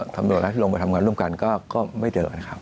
ตำรวจและที่ลงไปทำงานร่วมกันก็ไม่เจอนะครับ